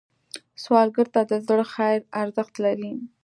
سوالګر ته د زړه خیر ارزښت لري